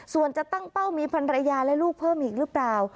ส่วนจะตั้งเป้ามีพันรยาและลูกเพิ่มอีกหรือเปล่า